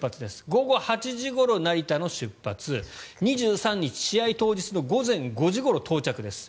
午後８時ごろ成田の出発２３日、試合当日の午前５時ごろ到着です。